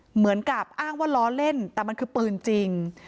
เหมือนกับอ้างว่าล้อเล่นแต่มันคือปืนจริง